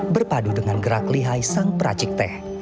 berpadu dengan gerak lihai sang peracik teh